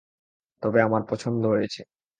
তবে আমার পছন্দ হয়েছে।